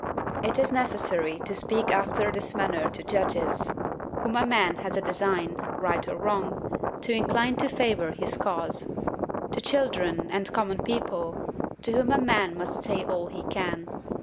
It is necessary to speak after this manner to judges, whom a man has a design, right or wrong, to incline to favour his cause; to children and common people, to whom a man must say all he can.